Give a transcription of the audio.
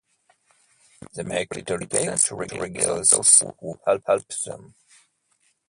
They make little cakes to regale those who helped them.